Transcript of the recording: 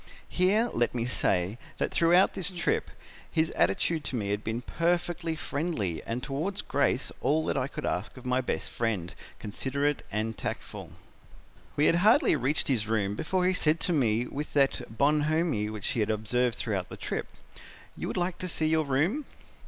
Here, let me say, that throughout the trip his attitude to me had been perfectly friendly and towards Grace all that I could ask of my best friend, considerate and tactful. "'We had hardly reached his room before he said to me with that bonhomie which he had observed throughout the trip, 'You would like to see your room?'